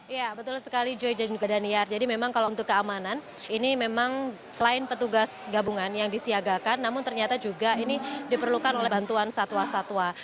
ya betul sekali joy dan juga daniar jadi memang kalau untuk keamanan ini memang selain petugas gabungan yang disiagakan namun ternyata juga ini diperlukan oleh bantuan satwa satwa